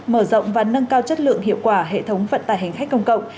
mở rộng và nâng cao chất lượng hiệu quả hệ thống vận tải hành khách công cộng